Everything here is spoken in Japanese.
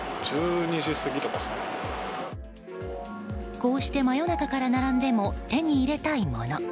こうして、真夜中から並んでも手に入れたいもの。